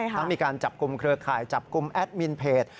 มีการจับกลุ่มเครือข่ายจับกลุ่มแอดมินเพจ